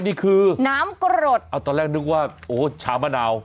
นี่คือน้ำกรดเอาตอนแรกนึกว่าโอ้ชามะนาว